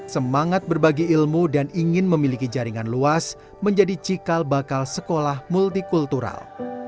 semangat berbagi ilmu dan ingin memiliki jaringan luas menjadi cikal bakal sekolah multikultural